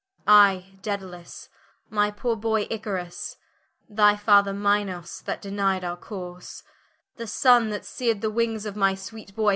I Dedalus, my poore Boy Icarus, Thy Father Minos, that deni'de our course, The Sunne that sear'd the wings of my sweet Boy.